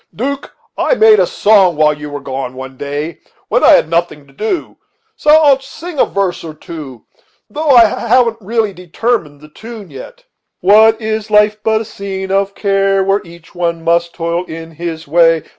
'Duke, I made a song while you were gone one day when I had nothing to do; so I'll sing you a verse or two, though I haven't really determined on the tune yet. "What is life but a scene of care, Where each one must toil in his way?